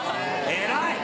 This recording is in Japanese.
偉い！